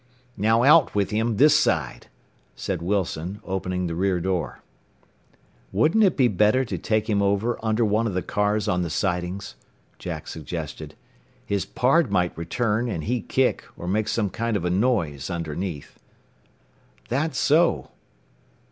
"Now out with him, this side," said Wilson, opening the rear door. "Wouldn't it be better to take him over under one of the cars on the sidings?" Jack suggested. "His pard might return, and he kick, or make some kind of a noise underneath." "That's so."